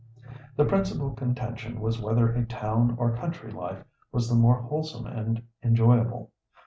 The principal contention was whether a town or country life was the more wholesome and enjoyable.